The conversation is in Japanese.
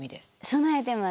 備えてます。